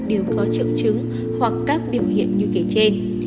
đều có triệu chứng hoặc các biểu hiện như kể trên